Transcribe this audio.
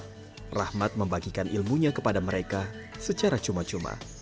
sebagai seorang seni rahmat membagikan ilmunya kepada mereka secara cuma cuma